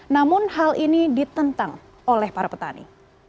namun hal ini ditentang oleh para petani